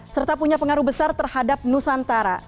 serta punya pengaruh besar terhadap nusantara